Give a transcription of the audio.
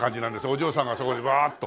お嬢さんがそこにワーッと。